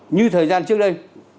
như thời gian trước đây